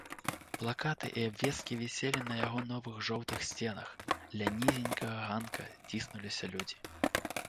Плакаты і абвесткі віселі на яго новых жоўтых сценах, ля нізенькага ганка ціснуліся людзі.